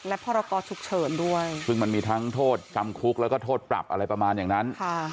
และพรกรฉุกเฉินด้วยซึ่งมันมีทั้งโทษจำคุกแล้วก็โทษปรับอะไรประมาณอย่างนั้น